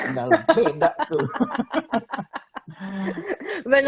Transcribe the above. enggak lah beda tuh